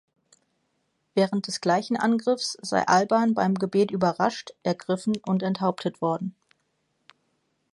Während des gleichen Angriffs sei Alban beim Gebet überrascht, ergriffen und enthauptet worden.